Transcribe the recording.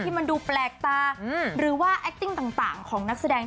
มันดูแปลกตาหรือว่าแอคติ้งต่างของนักแสดง